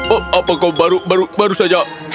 oh apa kau baru baru baru saja